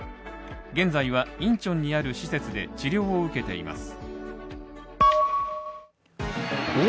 現在はインチョンにある施設で治療を受けています。